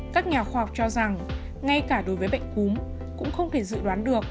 các nhà khoa học cho rằng ngay cả đối với bệnh cúm cũng không thể dự đoán được